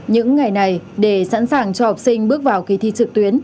những ngày này để sẵn sàng cho học sinh bước vào kỳ thi trực tuyến